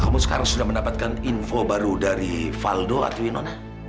kamu sudah mendapatkan info baru dari valdo atau winona